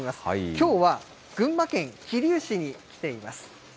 きょうは群馬県桐生市に来ています。